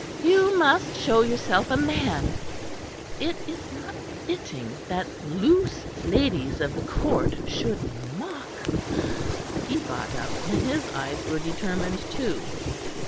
"You must show yourself a man; it is not fitting that loose ladies of the Court should mock " He got up; and his eyes were determined too.